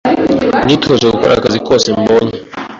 Nitoje gukora akazi kose mbonye,